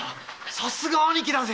さすが兄貴だぜ。